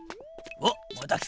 おっまた来た。